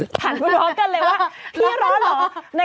โอเคพร้อมมา